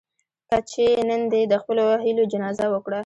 کچې نن دې د خپلو هيلو جنازه وکړه.